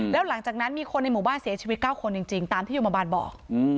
แล้วหลังจากนั้นมีคนในหมู่บ้านเสียชีวิต๙คนจริงตามที่โยมบาลบอก